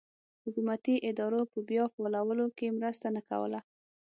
حکومتي ادارو په بیا فعالولو کې مرسته نه کوله.